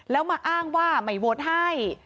แล้วมาอ้างว่าไม่โหวตให้